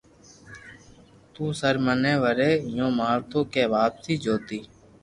تو سر مني وري ايوُ مارتو ڪي واپسي ڇوتي